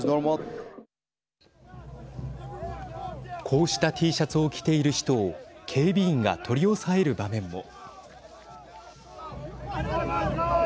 こうしたＴシャツを着ている人を警備員が取り押さえる場面も。